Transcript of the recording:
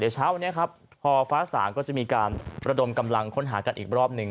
เช้าวันนี้ครับพอฟ้าสางก็จะมีการระดมกำลังค้นหากันอีกรอบหนึ่ง